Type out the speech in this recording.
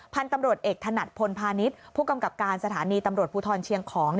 พันธุ์ตำรวจเอกถนัดพลพาณิชย์ผู้กำกับการสถานีตำรวจภูทรเชียงของ